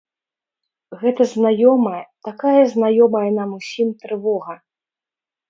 Гэта знаёмая, такая знаёмая нам усім трывога!